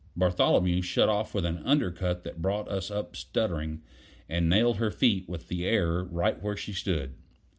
Bartholomew shut off with an under cut that brought us up stuttering, and nailed her feet with the air right where she stood.